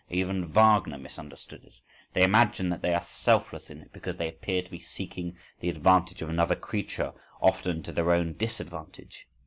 Even Wagner misunderstood it. They imagine that they are selfless in it because they appear to be seeking the advantage of another creature often to their own disadvantage.